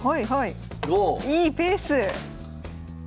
４！５！いいペース。